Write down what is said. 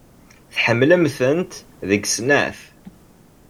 Tḥemmlemt-tent deg snat.